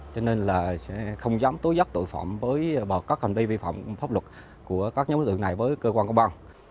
cho nên là sẽ không dám tối giấc tội phạm với các hành vi vi phạm pháp luật của các nhóm đối tượng này với cơ quan công băng